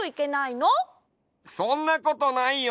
そんなことないよ。